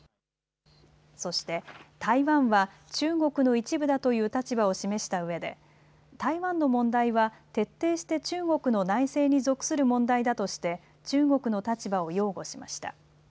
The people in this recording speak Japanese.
そして台湾は中国の一部だという立場を示したうえで台湾の問題は徹底して中国の内政に属する問題だとして中国の立場を擁護しました。